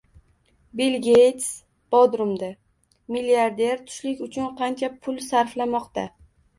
Bill Geyts Bodrumda: Milliarder tushlik uchun qancha pul sarflamoqda?